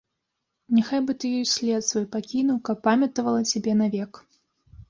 Няхай бы ты ёй след свой пакінуў, каб памятавала цябе навек.